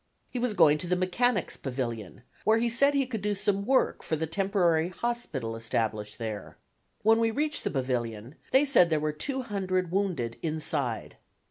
He was going to the Mechanics' Pavilion, where he said he could do some work for the temporary hospital established there. When we reached the Pavilion they said there were two hundred wounded inside.